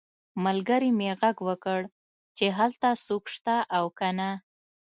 ملګري مې غږ وکړ چې هلته څوک شته او که نه